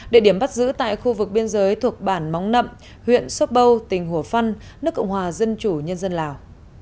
địa điểm bắt giữ tại khu vực biên giới thuộc bản móng nậm huyện sopbo tỉnh hùa phân nước cộng hòa dân chủ nhân dân lào